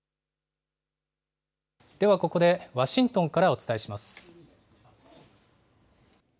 ではここで、ワシントンからお伝えします。